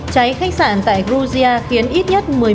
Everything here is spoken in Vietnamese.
cháy khách sạn tại georgia khiến ít nhất